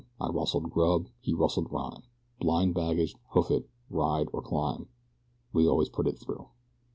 I rustled grub, he rustled rhyme Blind baggage, hoof it, ride or climb we always put it through.